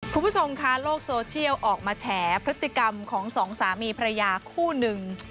คุณผู้ชมค่ะโลกโซเชียลออกมาแฉพฤติกรรมของสองสามีภรรยาคู่หนึ่ง